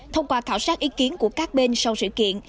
thông qua khảo sát ý kiến của các bên sau sự kiện